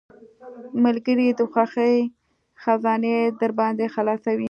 ملګری د خوښۍ خزانې درباندې خلاصوي.